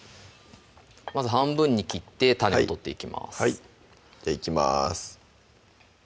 まず半分に切って種を取っていきますじゃあいきます